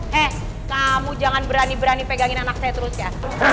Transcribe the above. hei kamu jangan berani berani pegangin anak saya terus ya